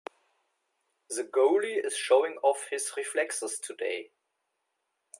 The goalie is showing off his reflexes today.